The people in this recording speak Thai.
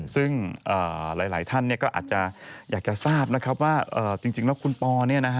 ซึ่งหลายท่านก็อาจจะอยากจะทราบนะครับว่าจริงแล้วคุณปอ